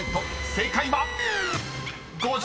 正解は⁉］